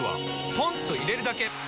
ポンと入れるだけ！